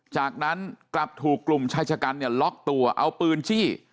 จากนั้นกลับถูกกลุ่มชายชะกันเนี่ยล็อกตัวเอาปืนจี้